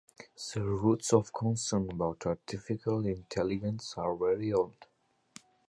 The roots of concern about artificial intelligence are very old.